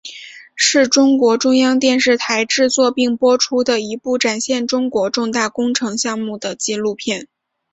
是中国中央电视台制作并播出的一部展现中国重大工程项目的纪录片。